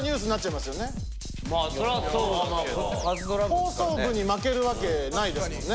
放送部に負けるわけないですもんね。